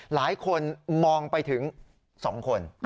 หลายคนมองไปถึง๒คน